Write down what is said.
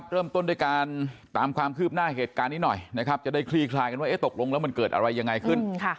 เริ่มต้นด้วยการตามความคืบหน้าเหตุการณ์นี้หน่อยนะครับจะได้คลี่คลายกันว่าตกลงแล้วมันเกิดอะไรยังไงขึ้น